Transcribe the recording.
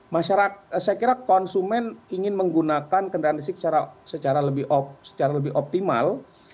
masyarakat saya kira konsumen ingin menggunakan kendaraan listrik secara lebih optimal